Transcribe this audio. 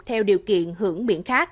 theo điều kiện hưởng miễn khác